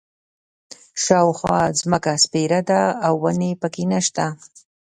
شاوخوا ځمکه سپېره ده او ونې په کې نه شته.